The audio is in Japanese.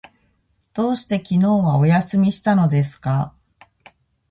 どうして昨日はお休みしたのですか？